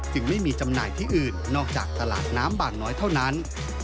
ไม่มีจำหน่ายที่อื่นนอกจากตลาดน้ำบางน้อยเท่านั้น